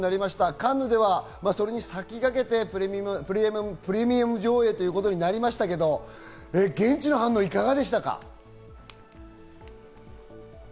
カンヌではそれに先駆けて、プレミアム上映ということになりましたけど、現地の反応はいかがでしたか？